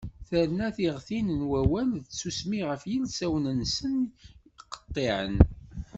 Terna tiɣtin n wawal d tsusmi ɣef yilsawen-nsen qeṭṭiɛen.